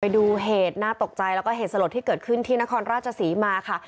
ไปดูเหตุน่าตกใจแล้วก็เหตุสลดที่เกิดขึ้นที่นครราชศรีมาค่ะ